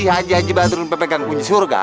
haji haji batrun pepekan kunci surga